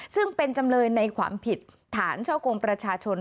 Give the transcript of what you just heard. ซึ่งเป็นจำเลยในความผิดฐานช่อกงประชาชน